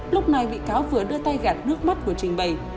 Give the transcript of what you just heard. lúc này bị cáo vừa đưa tay gạt nước mắt của trình bày